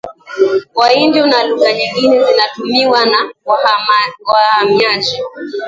Waindio na lugha nyingine zinatumiwa na wahamiaji